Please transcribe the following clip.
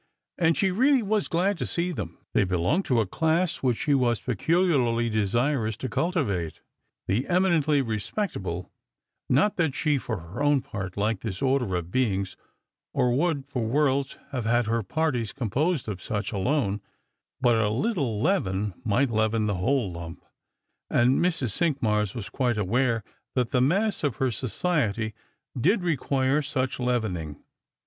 And she really was glad to see them. They belonged to a class which she was peculiarly desirous to cultivate, the eminently respectable — not that she for her own part liked this order of beings, or would for worlds have had her parties composed of snch alone; but a httle leaven might leaven the whole lump, and Mrs. Cinqmars was quite aware that the mass of her society did require such leavening.